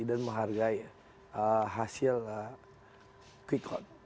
dan menghargai hasil quickcon